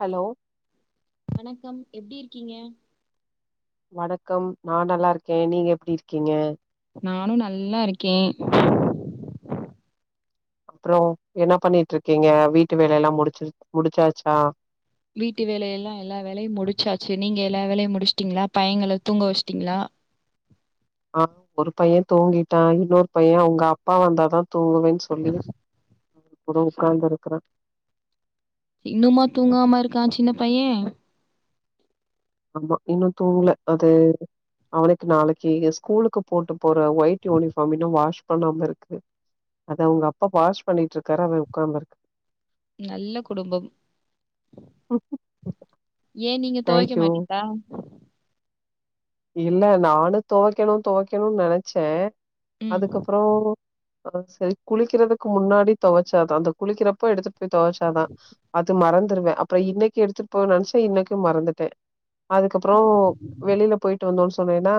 Hello வணக்கம் எப்டி இருக்கீங்க? வணக்கம் நா நல்லாருக்கே நீங்க எப்டி இருக்கீங்க? நானு நல்லா இருக்கே அப்றோ என்ன பண்ணிட்ருக்கீங்க வீட்டு வேலைலா முடிச்சு முடிச்சாச்சா? வீட்டு வேலையெல்லா எல்லா வேலையு முடிச்சாச்சு நீங்க எல்லா வேலையு முடிச்ட்டீங்ளா பையங்கள தூங்க வச்ட்டீங்களா? ஆ ஒரு பைய தூங்கிட்டா இன்னொரு பைய அவுங்க அப்பா வந்தாதா தூங்குவேன்னு சொல்லி இப்பதா உக்காந்துருக்கிறே இன்னுமா தூங்காம இருக்கா சின்ன பையே ஆமா இன்னும் தூங்கல அது அவுனுக்கு நாளைக்கு ஸ்கூலுக்கு போட்டு போற ஒயிட் யூனிஃபார்ம் இன்னு வாஷ் பண்ணாம இருக்கு அத அவுங்க அப்பா வாஷ் பண்ணிட்டு இருக்காரு அவே உக்காந்துருக் நல்ல குடும்பம் ஏ நீங்க தேங்க்யூ தொவைக்கமாட்டீங்களா இல்ல நானு தொவைக்கணு தொவைக்கணுன் நெனச்சே ம் அதுக்கப்றோ அ சேரி குளிக்கிறதுக்கு முன்னாடி தொவச்சாதா அந்த குளிக்கிறப்போ எடுத்து த்து தொவச்சாதா அ த்து மறந்துருவே அப்புறோ இன்னிக்கு எடுத்துட்டுபோவ நெனைச்ச இன்னிக்கு க்கு மறந்துட்டே அதுக்கப்புறோ வெளியில போய்ட்டு வந்தோன் சொன் சொன்னேன்னா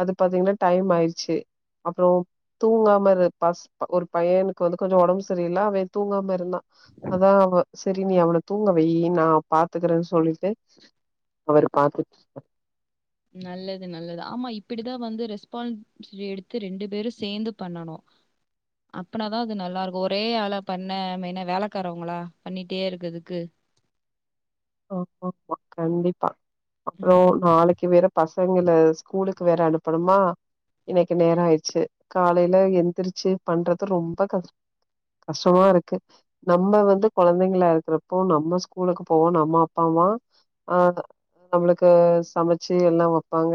அது பாத்தீங்கன்னா டைம் ஆயிருச்சி அப்புறோ தூங்காம இரு ப ஒரு பையனுக்கு வந்து கொஞ்சோ ஒடம்பு சரியில்ல அவே தூங்காம இருந்தா அதா அவ சரி நீ அவன தூங்க வையி நா பாத்துக்கறேன் சொல்லிட்டு அவரு பாத்து நல்லது நல்லது ஆமா இப்பிடிதா வந்து ரெஸ்பான்சிபிட்டி எடுத்து ரெண்டு பேரு சேந்து பண்ணனு அப்பனாதா அது நல்லா இருக்கு ஒரே ஆளா பண்ண மென வேலைக்காரவங்களா பண்ணிட்டே இருக்கதுக்கு ஆ ஆமா கண்டிப்பா அப்புறோ ம் நாளைக்கு வேற பசங் பசங்கள ஸ்கூலுக்கு வேற அனுப்பணுமா இன்னிக்கு நேரோ ஆயிடிச்சி காலையில எந்திரிச்சி பண்றது ரொம்ப கஷ் கஷ்டமா இருக்கு நம்ம வந்து கொழந்தைங்கள இருக்கிறப்போ நம்ம ஸ்கூலுக்கு போவோ நம் அம்மா அப்பாமா ஆ நம்மளுக்கு சமைச்சி எல்லா வப்பாங்க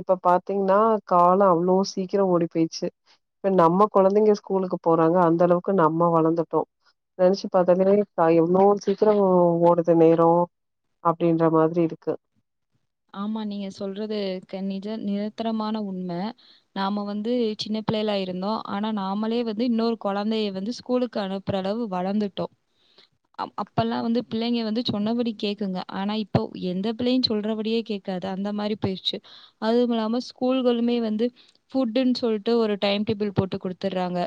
இப்ப பாத்தீங்கன்னா காலோ அவ்ளோ சீக்கி ஓடி போயிச்சி இப்ப நம்ம கொழந்தைங்க ஸ்கூலுக்கு போறாங்க அந்த அளவுக்கு நம்ம வளந்துட்டோ நெனைச்சி பாத்தீங்கன்னா எவ்ளோ சீக்கிரோ ஓடுது நே ரோ அப்பிடின்ற மாதிரி இருக்கு ஆமா நீங்க சொல்றது கன்னிஜ நிரந்தரமான உண்ம நாம வந்து சின்ன பிள்ளைல்லா இருந்தோ ஆனா நாமளே வந்து இன்னொரு கொழந்தைய வந்து ஸ்கூலுக்கு அனுப்புற அளவு வளர்ந்துட்டோ அப்பெல்லா வந்து புள்ளைங்க வந்து சொன்னபடி கேக்குங்க ஆனா இப்போ எந்த பிள்ளையு சொல்றபடியே கேக்காது அந்த மாரி போயிர்ச்சி அதுவுல்லாம ஸ்கூல்களுமே வந்து ஃபுட்டுன்னு சொல்லிட்டு ஒரு டைம் டேபிள் போட்டு குடுத்துடுறாங்க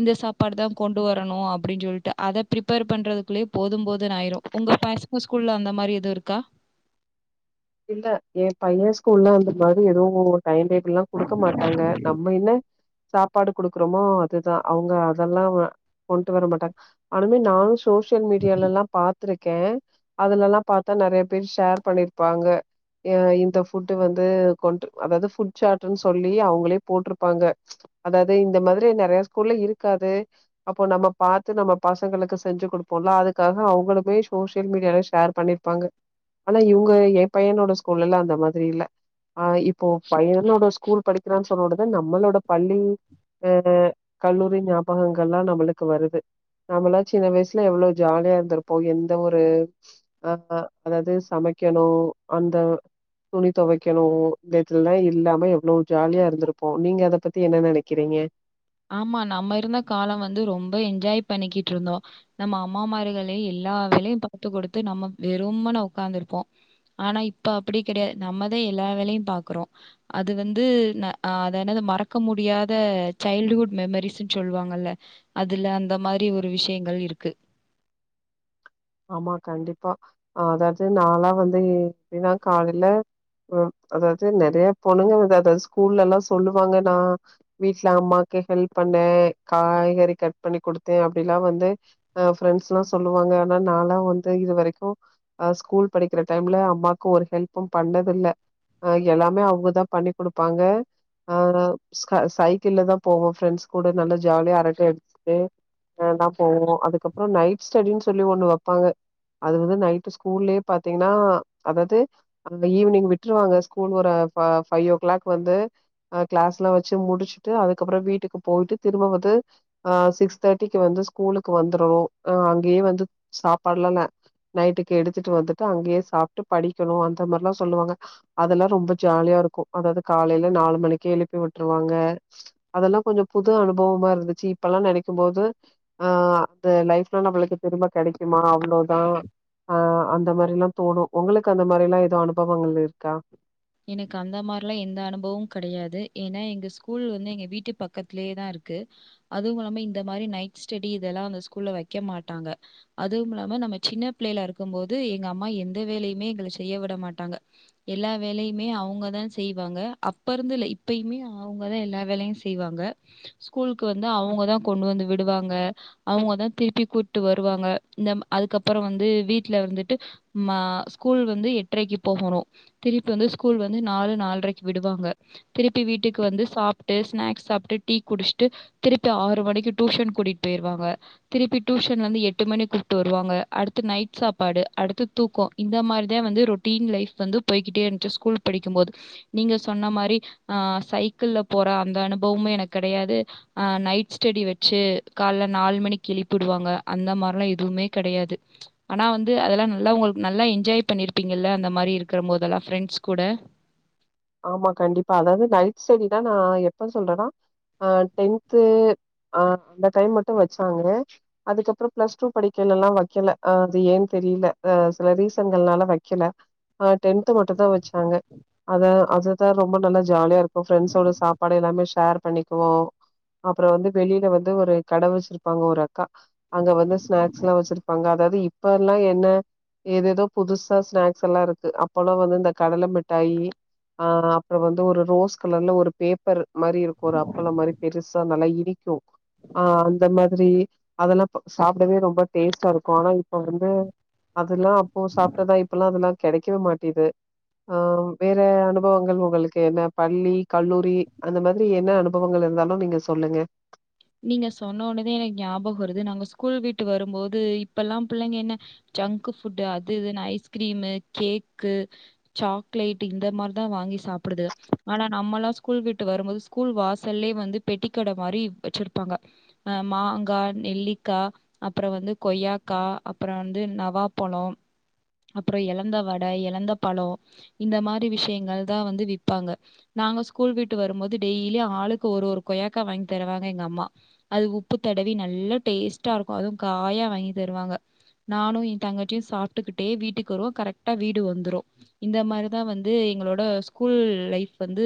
இந்த சாப்பாடு தா கொண்டு வரணு அப்பிடின் சொல்லிட்டு அத பிரிப்பேர் பண்றதுக்குள்ளயே போது போதுன்னு ஆயிரு உங்க பசங்க ஸ்கூல்ல அந்த மாரி எதுவு இருக்கா இல்ல ஏ பையன் ஸ்கூல்ல வந்த பாரு ஏதோ டைம் டேபிள்ல்லா குடுக்க மாட்டாங்க நம்ம என்ன சாப்பாடு குடுக்குறோமோ அதுதா அவுங்க அதெல்லா கொண்டு வர மாட்டாங்க ஆனுமே நானு சோசியல் மீடியாலல்லா பாத் த்ருக்கே அதுலல்லா பாத்தா நெறைய பேர் ஷேர் பண்ணிருக் வாங்க ய இந்த ஃபுட்டு வந்து கொண்டு அதாவதுன்னு ஃபுட்டு சார்ட்ன்னு சொல்லி அவுங்களே போட்டுருப்பாங்க அதாவது இந்த மாரி நெறைய ஸ்கூல்ல இருக்காது அப்போ நம்ம பாத்து நம்ம பசங்களுக்கு செஞ்சி குடுப்போல்ல அதுக்காக அவுங்களுமே சோசியல் மீடியால ஷேர் பண்ணிருப்பாங்க ஆனா இவுங்க கு ஏ பையனோட ஸ்கூல்ல எல்லா அந்த மாரி இல்ல ஆ இப்போ பையனோட ஸ்கூல் படிக்கிறா சொன்னடதா நம்மளோட பள்ளி ஆ கல்லூரி ஞாபகங்கல்லா நம்மளுக்கு வருது நம்மளா சின்ன வயசுல எவ்ளோ ஜாலியா இருந்திருப்போ எந்த ஒரு ஆ அதாவது சமை க்கணு அந்த துணி தொவைக்கணு இத இதுல்லா இல்லாம எவ்ளோ ஜாலியா இருந்திருப்போ நீங்க அத பத்தி என்ன நெனைக்கிறீங்க ஆமா நம்ம இருந்த காலோ வந்து ரொம்ப என்ஜாய் பண்ணிக்கிட்டு இருந்தோ நம்ம அம்மா மார்கலே எல்லா வேலயு பாத்து குடுத்து நம்ம வெறுமன உட்காந்துருப்போ ஆனா இப்ப அப்பிடி கெடையாது நம்மதா எல்லா வேலையு பாக்குறோ அது வந்து ஆ அத எனது மறக்க முடியாத சைல்டுஹுட் மெமரிஸ்ன்னு சொல்லுவாங்கல்ல அதுல அந்த மாரி ஒரு விஷயங்கள் இருக்கு ஆமா கண்டிப்பா அ அதாவது நாலா வந்து எப்பிடின்னா காலையில அ அதாவது நெறைய பொண்ணுங்கதாத ஸ்கூல்ல எல்லா சொல்லுவாங்க நா வீட்ல அம்மாக்கு ஹெல்ப் பண்ணே காய்கறி கட் பண்ணி குடுத்தே அப்பிடில்லா வந்து அ ப்ரெண்ட்ஸ் எல்லா சொல்லுவாங்க நாலா வந்து இதுவரைக்கு ஸ்கூல் படிக்கிற டைம்ல அம்மாக்கு ஒரு ஹெல்ப்பு பண்ணத இல்ல எல்லாமே அவுங்கதா பண்ணி குடுப்பாங்க ஆ ஸ்க சைக்கிள்தா போவோ ஃப்ரெண்ட்ஸ் கூட நல்லா ஜாலியா அரட்ட அடிச்சிட்டுதா போவோ அதுக்கப்புறோ நைட் ஸ்டடி சொல்லி ஒன்னு வப்பாங்க அது வந்து நைட் ஸ்கூல்லே பாத்திங்கன்னா அதாது அங்க ஈவினிங் விட்டுருவாங்க ஸ்கூல் ஒரு ஃபா ஃபையோ கிளாக்வந்து அ கிளாஸ்வச்சி முடிச்சிடு அதுக்கப்பறோ வீட்க்கு போய்ட்டு திரும்ப வந்து அ சிக்ஸ் தேட்டிக்கு வந்து ஸ்கூல்லுக்கு வந்தரரு அ அங்கயே வந் து சாப்பாட்ல ந நைட்டுக்கு எடுத்துட்டு வந்துட்டு அங்கயே சாப்ட்டு படிக்கணும் அந்த மார்லா சொல்லுவாங்க அதெல்லாம் ரொம்ப ஜாலியா இருக்கும் அதாவது காலையில நாலு மணிக்கே எழுப்பி உட்டுருவாங்க அதெல்லாம் கொஞ்சம் புது அனுபவமா இருந்துச்சி இப்பல்லாம் நனைக்கும் போது ஆ அந்த லைப்லா நம்பளுக்கு திரும்ப கடைக்குமா அவ்ளோதா ஆ அந்த மாரிலாம் தோணும் ஒங்களுக்கு அந்த மாரிலாம் எதோ அனுபவங்கள் இருக்கா எனக்கு அந்த மாரிலா எந்த அனுபவம் கெடையாது ஏன்னா எங்க ஸ்கூல் வந்து எங்க வீட்டு பக்கத்திலேதான் இருக்கு அதுவும் இல்லாமா இந்த மாரி நைட் ஸ்டெடி இதெல்லாம் அந்த ஸ்கூல்ல வக்க மாட்டாங்க அதுவும் இல்லாமா நம்ம சின்ன பிள்ளைல இருக்கமோது எங்க அம்மா எந்த வேலையுமே எங்கள செய்ய விட மாட்டாங்க எல்லா வேலையுமே அவுங்கதா செய்வாங்க அப்ப இருந்து இல்ல இப்பயுமே அவங்கதான் எல்லா வேலையும் செய்வாங்க ஸ்கூலுக்கு வந்து அவுங்கதான் கொண்டு வந்து விடுவாங்க அவுங்கதான் திருப்பி கூட்டு வருவாங்க இந்த அதுக்கப்புறம் வந்து வீட்ல வந்துட்டு ஸ்கூல் வந்து எட்ரைக்கு போகணும் திருப்பி வந்து ஸ்கூல் வந்து நாலு நாலரைக்கு விடுவாங்க திருப்பி வீட்டுக்கு வந்து சாப்ட்டு ஸ்நாக்ஸ் சாப்ட்டு டீ குடிச்சிட்டு திருப்பி ஆறு மணிக்கு டூஷன் கூட்டிட்டு போயிருவாங்க திருப்பி டூஷன்ல இருந்து எட்டு மணி கூப்ட்டு வருவாங்க அடுத்து நைட் சாப்பாடு அடுத்து தூக்கம் இந்த மாரிதான் வந்து ரொட்டீன் லைஃப் வந்து போயிகிட்டே இன்ச்சி ஸ்கூல் படிக்கும்போது நீங்க சொன்ன மாரி ஆ சைக்கிள போற அந்த அனுபவமும் எனக்கு கெடையாது ஆ நைட் ஸ்டெடி வச்சி கால்ல நாலு மணிக்கு எழிப்பிடுவாங்க அந்த மாரிலாம் எதுவுமே கெடையாது ஆனா வந்து அதெல்லாம் நல்லவங்களுக்கு நல்லா என்ஜாய் பண்ணிருப்பீங்க இல்ல அந்த மாரி இருக் கற மோதெல்லாம் ஃபிரெண்ஸ் கூட ஆமா கண்டிப்பா அதாவது நைட் ஸ்டெடி தான் நான் எப்ப சொல்றன்னா ஆ டென்து ஆ அந்த டைம் மட்டும் வச்சாங்க அதுக்கப்புறம் பிளஸ் டூ படிக்கல எல்லாம் வக்கல அது ஏன் தெரியில ஆ சில ரீசன்கள்னால வக்கல ஆ டென்த்து மட்டும் தான் வச்சாங்க அத அதுதான் ரொம்ப நல்ல ஜாலியா இருக்கும் ஃப்ரெண்ஸோட சாப்பாடு எல்லாமே ஷேர் பண்ணிக்குவோம் அப்புறம் வந்து வெளியில வந்து ஒரு கட வச்சிருப்பாங்க ஒரு அக்கா அங்க வந்து ஸ்நாக்ஸ்லாம் வச்சிருப்பாங்க அதாவது இப்ப எல்லாம் என்ன ஏதேதோ புதுசா ஸ்நாக்ஸ் எல்லாம் இருக்கு அப்போல்லாம் வந்து இந்த கடல மிட்டாயி ஆ அப்புறம் வந்து ஒரு ரோஸ் கலர்ல ஒரு பேப்பர் மாரி இருக்கும் ஒரு அப்பலம் மாரி பெருசா நல்லா ஈ ஈக்கும் ஆ அந்த மாதிரி அதெல்லாம் இப்போ சாப்டவே ரொம்ப டேஸ்டா இருக்கும் ஆனா பொறந்து அதுல்லாம் அப்போ சாப்ட்டதா இப்பல்லாம் அதெல்லா கெடைக்கவே மாட்டிது ஆ வேற அனு பவங்கள் உங்களுக்கு என்ன பள்ளி கல்லூரி அந்த மாதிரி என்ன அனுபவங்கள் இருந்தாலும் நீங்க சொல்லுங்க நீங்க சொன்ன ஒனதே எனக்கு ஞாபகம் வருது நாங்க ஸ்கூல் விட்டு வரும்போது இப்பல்லாம் பிள்ளைங்க என்ன ஜங்க்கு ஃபுட்டு அது இது ஐஸ்கிரீமு கேக்கு சாக்லேட் இந்த மாரிதான் வாங்கி சாப்படுது ஆனா நம்மலாம் ஸ்கூல் விட்டு வரும்போது ஸ்கூல் வாசல்லே வந்து பெட்டிக்கட மாரி வச்சிருப்பாங்க ஆ மாங்கா நெல்லிக்கா அப்புறம் வந்து கொய்யாக்கா அப்புறம் வந்து நவாப்பழம் அப்புறம் எலந்த வட எலந்த பழம் இந்த மாரி விஷியங்கள் தான் வந்து விப்பாங்க நாங்க ஸ்கூல் விட்டு வரும்போது டெய்லியு ஆளுக்கு ஒரு ஒரு கொய்யாக்கா வாங்கி தருவாங் க எங்க அம்மா அது உப்பு தடவி நல்லா டேஸ்ட்டா இருக்கும் அதும் காயா வாங்கி தருவாங்க நானும் என் தங்கச்சிம் சாப்ட்டுகிட்டே வீட்டுக்கு வருவோ கரட்டா வீடு வந்துரும் இந்த மாரிதான் வந்து எங்களோட ஸ்கூல் லைஃப் வந்து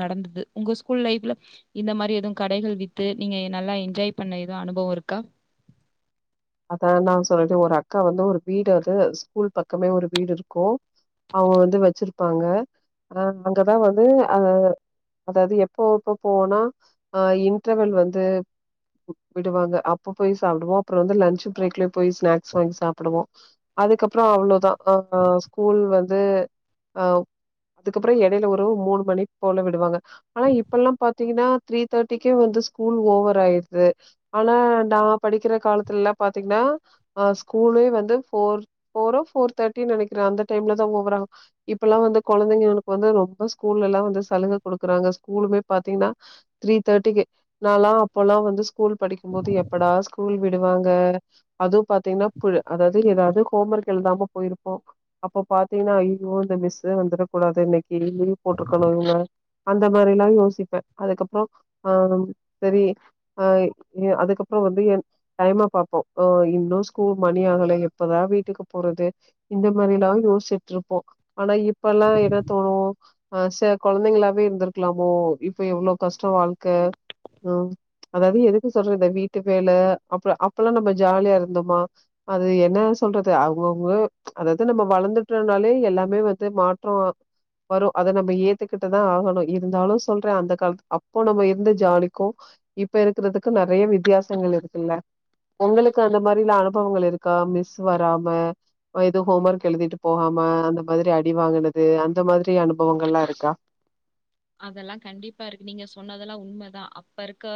நடந்தது உங்க ஸ்கூல் லைஃப்ல இந்த மாரி எதும் கடைகள் வித் து நீங்க நல்லா என்ஜாய் பண்ண எதும் அனுபவம் இருக்கா அத நா சொல்ற ஒரு அக்கா வந்து ஒரு வீடு அது ஸ்கூல் பக்கமே ஒரு வீடு இருக்கும் அவுங்க வந்து வச்சிருப்பாங்க ஆ அங்கதான் வந்து ஆ அதாவது எப்போ எப்ப போவோனா ஆ இன்ட்ரவெல் வந்து விடுவாங்க அப்ப போய் சாப்டுவோம் அப்புறம் வந்து லன் ச் பிரேக்ல போய் ஸ்நாக்ஸ் வாங்கி சாப்டுவோம் அதுக்கப்புறம் அவ்ளோதா ஆ ஸ்கூல் வந் து ஆ அதுக்கப்புறம் எடையில ஒரு மூணு மணி போல விடுவாங்க ஆனா இப்பல்லாம் பாத்தீங்கன்னா த்ரீ தேட்டிக்கே வந்து ஸ்கூல் ஓவர் ஆயிருது ஆனா நான் படிக்கிற காலத்துலலா பாத்தீங்கன்னா ஆ ஸ்கூலே வந்து போர் போரோ போர் தேட்டினு நெனக்கிறே அந்த டைம்ல தான் ஓவர் இப்பல்லாம் வந்து கொழந்தைங்களுக்கு வந்து ரொம்ப ஸ்கூல்ல எல்லாம் வந்து சலுக குடுக்கறாங்க ஸ்கூலுமே பாத்தீங்கன்னா த்ரீ தேட்டிக்கு நாலாம் அப்பல்லாம் வந்து ஸ்கூல் படிக்கமோது எப்படா ஸ்கூல் விடுவாங் க அது பாத்தீங்கனா புழ் அதாவது எதாவது ஹோம் ஒர்க் எழுதாம போயிருப்போம் அப்ப பாத்தீங்னா ஐயோ இந்த மிஸு வந்துடக்கூடாது இன்னைக் கி லீவ் போட்டுருக்கணும் இவுங்க அந்த மாரிலாம் யோசிப்பேன் அதுக்கப்புறம் ஆ செரி ஆ அதுக்கப்புறம் வந்து என் டைம பாப்போம் ஆ இன்னும் ஸ்கூல் மணி ஆகல எப்பதான் வீட்டுக்கு போறது இந்த மாரி எல்லாம் யோசிட்டு இருப்போம் ஆனா இப்பெல்லாம் என்ன தோணும் ஆ ச கொழந்தைங்களாவே இருந்திருக்கலாமோ இப்ப எவ்ளோ கஷ்டம் வாழ்க்க ம் அதாவது எதுக்கு சொல்ற இந்த வீட்டு வேல அப்புறம் அப் இப்பல்லாம் நம்ம ஜாலியா இருந்தோமா அது என்ன சொல்றது அவுங்கவுங்க அதாவது நம்ம வளந்துட்டோம்னாலே எல்லாமே வந்து மாற்றம் வரும் அத நம்ப ஏத்துக்கிட்டுதான் ஆகணும் இருந்தாலும் சொல்றன் அந்த காலத்து அப்போ நம்ப இருந்து ஜாலிக்கும் இப்ப இருக்கிறதுக்கு நறையா வித்தியாசங்கள் இருக்குல்ல உங்களுக்கு அந்த மாரிலாம் அனுபவங்கள் இருக்கா மிஸ் வராம எதும் ஹோம் ஒர்க் எழுதிட்டு போகாம அந்த மாதிரி அடி வாங்கனது அந்த மாதிரி அனுபவங்கள்லா இருக்கா அதெல்லா கண்டிப்பா இருக்கு நீங்க சொன்னதெல்லா உண்மதா அப்ப இருக்க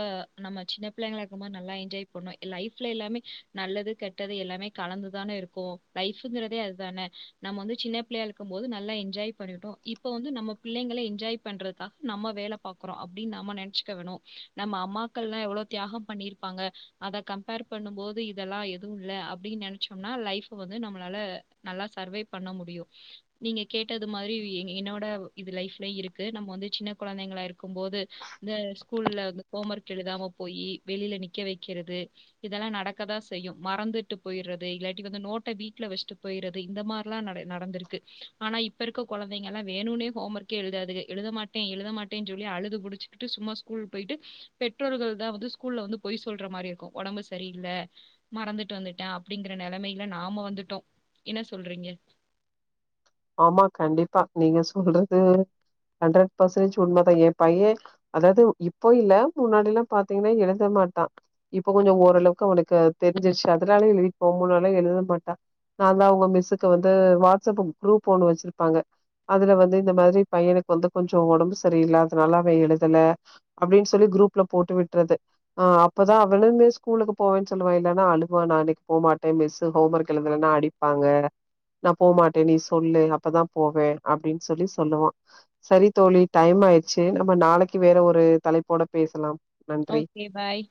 நம்ம சின்ன பிள்ளைங்களா இருக்கும்மோ நல்லா என்ஜாய் பண்ணோ லைஃப்ல எல்லாமே நல்லது கெட்டது எல்லாமே கலந்துதான இருக்கு லைஃபுங்கிறதே அதுதானே நம் வந்து சின்ன பிள்ளையா இருக்கும் போது நல்லா என்ஜாய் பண்ணிட்டோ இப்ப வந்து நம்ம பிள்ளைங்கள என்ஜாய் பண்றக்காக நம்ம வேல பாக்குறோ அப்டின் நாம நெனச்சிகவனு நம்ம அம்மாக்கள்லா எவ்ளோ தியாகம் பண்ணிருப்பாங்க அத கம்பேர் பண்ணும் போது இதெல்லா எதுவுல்ல அப்டின் நெனச்சோம்னா லைஃபு வந்து நம்மளால நல்லா சர்வே பண்ண முடியு நீங்க கேட்டது மாரி என்னோட இது லைஃப்ல இரு க்கு நம்ம வந்து சின்ன கொழந்தைங்களா இருக்கும் போது இந்த ஸ்கூல்ல வந்து ஹோம் ஒர்க் எழுதாம போயி வெளில நிக்க வக்கிறது இதெல்லா நடக்கதா செய்யு மறந்துட்டு போயிர்றது இல்லாட்டி வந்து நோட்ட வீட்ல வச்ட்டு போயிறது இந்த மார்லா நட நடந்துருக்கு ஆனா இப்ப இருக்க கொழந்தைங்கல்லா வேணுனே ஹோம் ஒர்க்கே எழுதாதுக எழுதமாட்டே எழுத மாட்டே சொல்லி அழுது புடுச்சுக்கிட்டு சும்மா ஸ்கூல் போயிட்டு பெற்றோர்கள் தா வந்து ஸ்கூல்ல வந்து பொய் சொல்ற மாரி இருக்கு ஒடம்பு சரியில்ல மறந்துட்டு வந்துட்டா அப்டிங்கிற நெலமைல நாம வந்துட்டோ என்ன சொல்றீங்க ஆமா கண்டிப்பா நீங்க சொல்றது ஹண்ட்ரட் பர்சன்டேஜ் உண்மதா எ பைய அதாது இப்போ இல்ல முன்னாடில்லா பாத்தீங்னா எழுத மாட்டா இப்போ கொஞ்சொ ஓரளவுக்கு அவனுக்கு தெரிஞ்சிச்சு அதுனால எழுதிப்பா முன்னாட்லா எழுத மாட்டா நாந்தா அவுங்க மிஸ்ஸுக்கு வந்து வாட்ஸப்பு குரூப் ஒன்னு வச்சிருப்பாங்க அதுல வந்து இந்த மாரி பையனுக்கு வந்து கொஞ்சொ ஒடம்பு சரியில்லாதனால அவெ எழுதல அப்டின் சொல்லி குரூப்ல போட்டு விட்றது அ அப்பதா அவனுமே ஸ்கூலுக்கு போவேன் சொல்லுவா இல்லனா அழுகுவா நா இன்னக்கி போ மாட்டே மிஸ்ஸு ஹோம் ஒர்க் எழுதலன்னா அடிப்பாங்க நா போமாட்டே நீ சொல்லு அப்பதா போவே அப்டின் சொல்லி சொல்லுவா சரி தோழி டைம் ஆயிர்ச்சு நம்ம நாளைக்கு வேற ஒரு தலைப்போட பேசலாம் நன்றி ஓகே பாய்